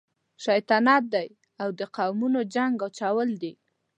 شیطانت دی او د قومونو جنګ اچول دي.